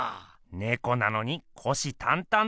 ねこなのに虎視たんたんと。